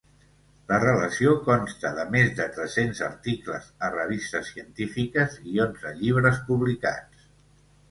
La relació consta de més de tres-cents articles a revistes científiques i onze llibres publicats.